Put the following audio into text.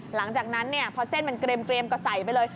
หลังจากนั้นพอเส้นมันเกรียมก็ใส่ไปเลย